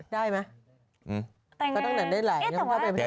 ด้วยมั้ย